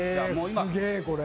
すげぇこれ。